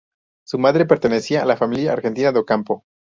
Su madre pertenecía a la familia argentina de Ocampo.